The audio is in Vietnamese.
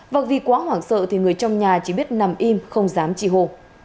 và vì quá hoảng sợ thì người trong nhà chỉ biết nằm im không dám chị hồ